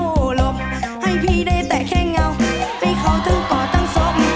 ลมให้พี่ได้แต่แค่เงาให้เขาทั้งกอดทั้งศพ